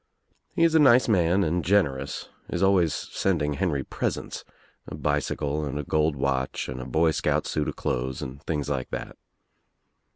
He is a nice man and generous, is always sending Henry presents, a bicycle and a gold watch and a boy scout suit of clothes and things like that.